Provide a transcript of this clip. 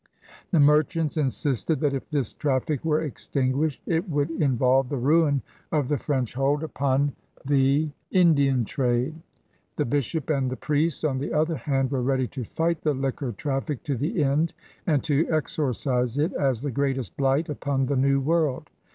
The merchants insisted that if this traffic were esctinguished it would involve the ruin of the French hold upon the THE CHURCH IN NEW PRANCE 127 Indian trade. The bishop and the priests, on the other hand, were ready to fight the liquor traffic to the end and to exorcise it as the greatest blight upon the New World.